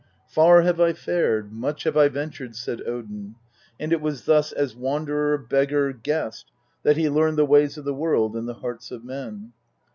" Far have I fared, much have I ventured," said Odin, and it was thus as wanderer, beggar, guest, that he learned the ways of the world and the hearts of men.